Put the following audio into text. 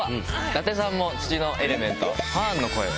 伊達さんも土のエレメントファーンの声を。